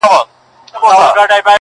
پر هر ګام باندي لحد او کفن زما دی!!